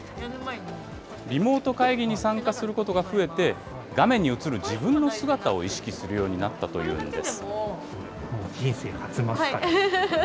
リモート会議に参加することが増えて、画面に映る自分の姿を意識するようになったというんです。